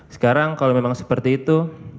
sekarang kalau memang seperti itu